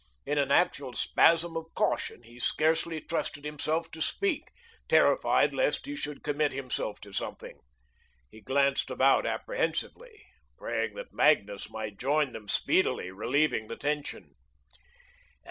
In an actual spasm of caution, he scarcely trusted himself to speak, terrified lest he should commit himself to something. He glanced about apprehensively, praying that Magnus might join them speedily, relieving the tension.